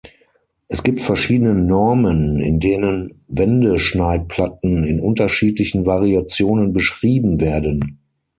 Es gibt verschiedene Normen, in denen Wendeschneidplatten in unterschiedlichen Variationen beschrieben werden.